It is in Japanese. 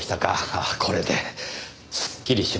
ああこれですっきりしました。